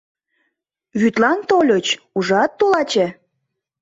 Вӱдлан тольыч, ужат, тулаче?